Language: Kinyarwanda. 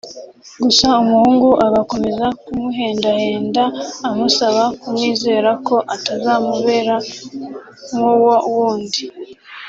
gusa umuhungu agakomeza kumuhendahenda amusaba kumwizera ko atazamubera nk’uwo wundi